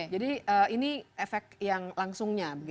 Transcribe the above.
jadi ini efek yang langsungnya